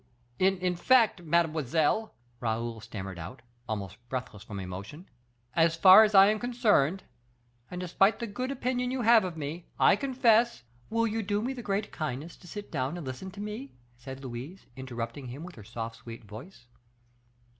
"In fact, mademoiselle," Raoul stammered out, almost breathless from emotion, "as far as I am concerned, and despite the good opinion you have of me, I confess " "Will you do me the great kindness to sit down and listen to me?" said Louise, interrupting him with her soft, sweet voice.